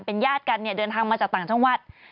เป็นญาติกันเนี่ยเดินทางมาจากต่างจังหวัด